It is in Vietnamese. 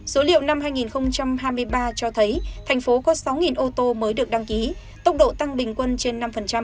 số liệu năm hai nghìn hai mươi ba cho thấy thành phố có sáu ô tô mới được đăng ký tốc độ tăng bình quân trên năm